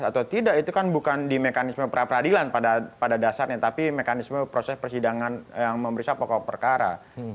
atau tidak itu kan bukan di mekanisme pra peradilan pada dasarnya tapi mekanisme proses persidangan yang memeriksa pokok perkara